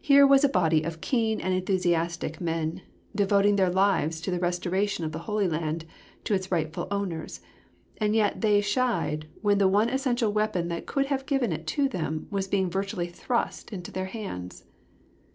Here was a body of keen and enthusiastic men, devoting their lives to the restoration of the Holy Land to its rightful owners, and yet they shied when the one essential weapon that could have given it to them was being virtually thrust into their hands.